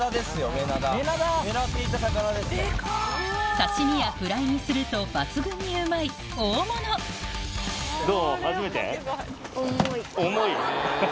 刺し身やフライにすると抜群にうまい大物重いアハハ。